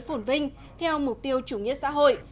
đảng cộng sản việt nam sẽ phổn vinh theo mục tiêu chủ nghĩa xã hội